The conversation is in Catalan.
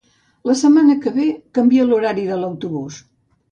La setmana que ve canvia l'horari de l'autobús